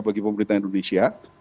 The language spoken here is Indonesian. bagi pemerintah indonesia